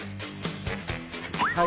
はい。